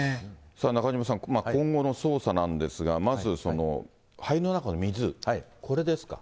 さあ、中島さん、今後の捜査なんですが、まず、肺の中の水、これですか。